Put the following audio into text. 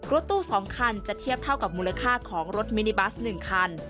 รถตู้๒คันจะเทียบเท่ากับมูลค่าของรถมินิบัส๑คัน